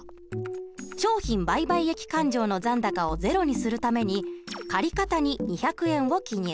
商品売買益勘定の残高をゼロにするために借方に２００円を記入。